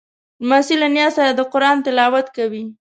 لمسی له نیا سره د قرآن تلاوت کوي.